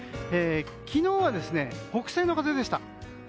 昨日は北西の風でした。